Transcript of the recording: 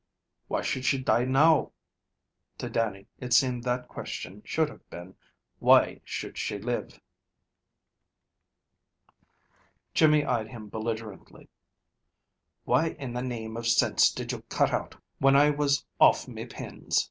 "Why should she die now?" To Dannie it seemed that question should have been, "Why should she live?" Jimmy eyed him belligerently. "Why in the name of sinse did you cut out whin I was off me pins?"